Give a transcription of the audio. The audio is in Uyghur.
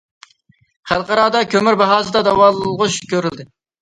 خەلقئارادا كۆمۈر باھاسىدا داۋالغۇش كۆرۈلدى.